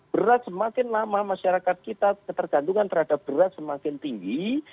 beras semakin lama masyarakat kita ketergantungan terhadap beras semakin tinggi